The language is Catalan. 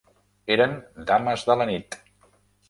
Eren dames de la nit.